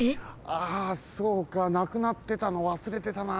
あそうかなくなってたのわすれてたな。